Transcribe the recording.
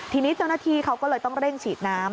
ทีนี้เจ้าหน้าที่เขาก็เลยต้องเร่งฉีดน้ำ